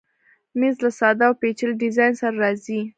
مېز له ساده او پیچلي ډیزاین سره راځي.